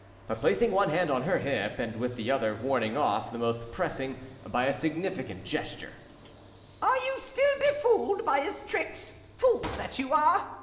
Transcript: But, placing one hand on her hip, and with the other warning off the most pressing by a significant gesture— "Are you still befooled by his tricks, fools that you are?